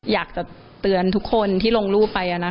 อยากจะเตือนทุกคนที่ลงรูปไป